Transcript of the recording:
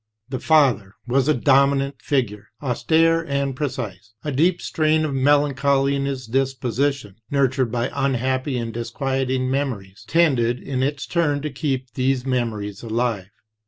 The father was a dominant figure, austere and precise. A deep strain of melancholy in his disposition, nurtured by un happy and disquieting memories, tended in its turn to keep these memories alive.